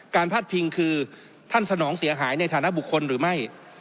พาดพิงคือท่านสนองเสียหายในฐานะบุคคลหรือไม่